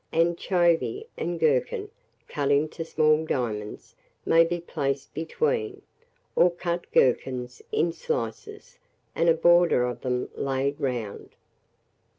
Anchovy and gherkin, cut into small diamonds, may be placed between, or cut gherkins in slices, and a border of them laid round.